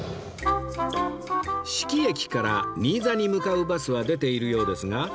志木駅から新座に向かうバスは出ているようですが